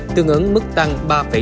tương ứng mức tăng ba sáu